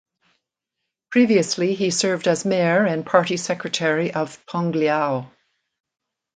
Previously he served as mayor and party secretary of Tongliao.